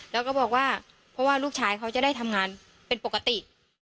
แล้วก็บอกว่าเพราะว่าลูกชายเขาจะได้ทำงานเป็นปกติ